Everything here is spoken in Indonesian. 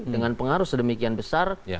dengan pengaruh sedemikian besar